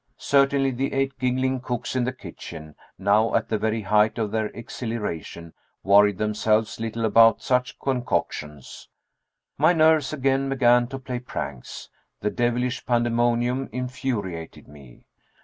Certainly the eight giggling cooks in the kitchen, now at the very height of their exhilaration, worried themselves little about such concoctions. My nerves again began to play pranks. The devilish pandemonium infuriated me.